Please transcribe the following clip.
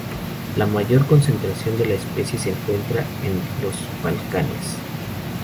La mayor concentración de la especie se encuentra en los Balcanes.